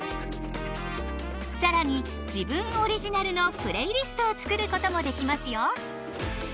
更に自分オリジナルのプレイリストを作ることもできますよ。